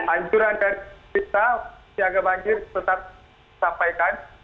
hancuran dari pesta siaga banjir tetap disampaikan